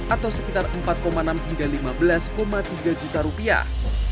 atau sekitar empat enam hingga lima belas tiga juta rupiah